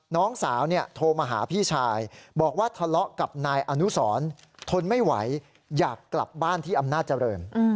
น้องสาวโทรมาหาพี่ชายบอกว่าทะเลาะกับนายอนุสรทนไม่ไหวอยากกลับบ้านที่อำนาจเจริญ